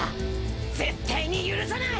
絶対に許さない！